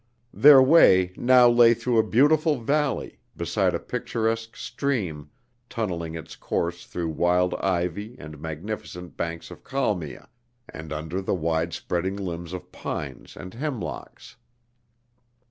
Their way now lay through a beautiful valley, beside a picturesque stream, tunneling its course through wild ivy and magnificent banks of calmia, and under the wide spreading limbs of pines and hemlocks.